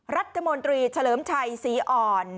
รัฐมนตรีเฉลิมชัยศรีอ่อน